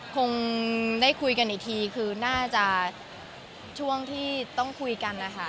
คงได้คุยกันอีกทีคือน่าจะช่วงที่ต้องคุยกันนะคะ